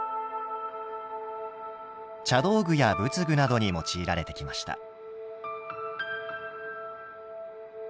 茶道具や仏具などに用いられてきました。